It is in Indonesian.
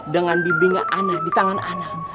dengan bimbingan anak di tangan anak